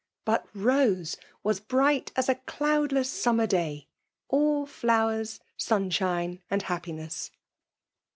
But Bose was brigU as a cloudless summer day, ^all flowers, sun shine, and happiness.